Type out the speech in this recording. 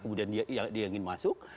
kemudian dia ingin masuk